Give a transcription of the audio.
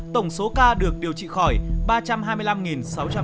tổng số ca được điều trị khỏi ba trăm hai mươi năm sáu trăm bốn mươi bảy